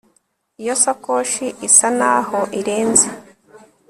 iyo sakoshi isa naho ihenze